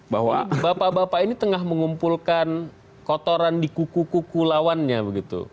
bahwa bapak bapak ini tengah mengumpulkan kotoran di kuku kuku lawannya begitu